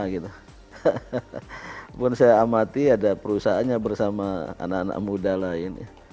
walaupun saya amati ada perusahaannya bersama anak anak muda lain